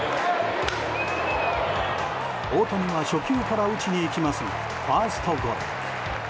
大谷は初球から打ちに行きますがファーストゴロ。